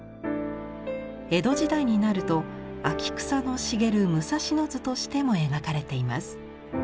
江戸時代になると秋草の茂る武蔵野図としても描かれています。